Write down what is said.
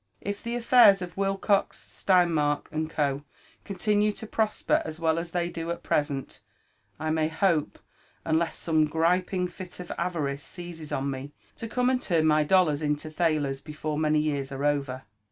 If the affairs of Wilcox, Steinmark and Go. continue to prosper as well as they do at present, I may hope, unless some griping fit of avarice seizes on me, to come and turn my dollars into thalers before many years are ovcr.